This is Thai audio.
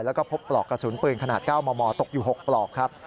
แล้วก็พบปลอกกระสุนปืนขนาด๙มมตกอยู่๖ปลอกครับ